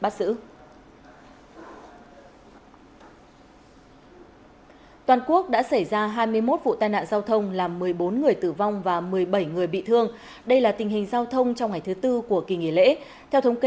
cả nước xảy ra tám mươi bốn vụ tai nạn giao thông làm tám mươi ba người thương vong